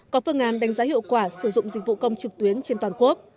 có phương án đánh giá hiệu quả sử dụng dịch vụ công trực tuyến trên toàn quốc